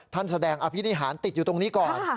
แสดงอภินิหารติดอยู่ตรงนี้ก่อน